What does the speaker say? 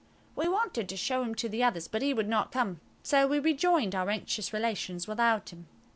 We wanted to show him to the others, but he would not come, so we rejoined our anxious relations without him.